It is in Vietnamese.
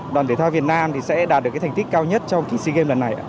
đoàn thể thao việt nam sẽ đạt được thành tích cao nhất trong kỳ sea games lần này ạ